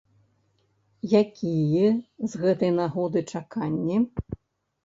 Якія з гэтай нагоды чаканні?